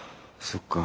そっか。